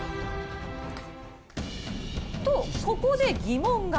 と、ここで疑問が。